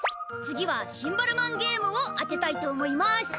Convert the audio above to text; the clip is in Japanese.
次はシンバルマンゲームを当てたいと思います！